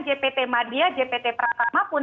jpt madia jpt pratama pun